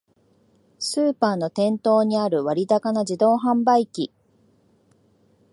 スーパーの店頭にある割高な自動販売機